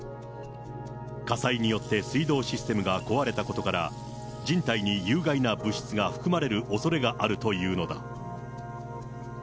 火災によって水道システムが壊れたことから、人体に有害な物質が含まれるおそれがあるというのだ。